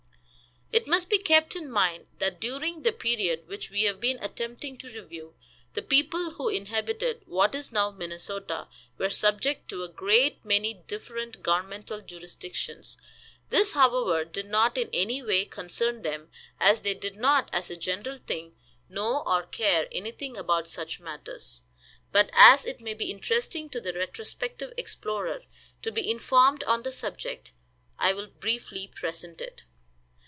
It must be kept in mind that, during the period which we have been attempting to review, the people who inhabited what is now Minnesota were subject to a great many different governmental jurisdictions. This, however, did not in any way concern them, as they did not, as a general thing, know or care anything about such matters; but as it may be interesting to the retrospective explorer to be informed on the subject, I will briefly present it.